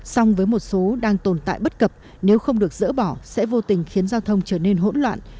song với một số đang tồn tại bất cập nếu không được dỡ bỏ sẽ vô tình khiến giao thông trở nên hỗn loạn